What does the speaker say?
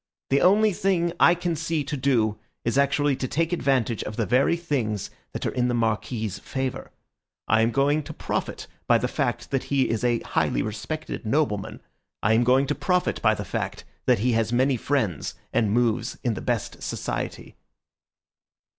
The only thing I can see to do is actually to take advantage of the very things that are in the Marquis's favour. I am going to profit by the fact that he is a highly respected nobleman. I am going to profit by the fact that he has many friends and moves in the best society."